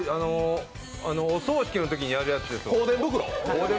お葬式のときにやるやつでしょ、香典袋？